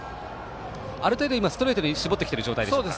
ある程度、ストレートに絞ってきている状態ですか？